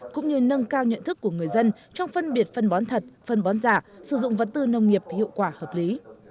cũng như nâng cao nhận thức của người dân trong phân biệt phân bón thật phân bón giả sử dụng vật tư nông nghiệp hiệu quả hợp lý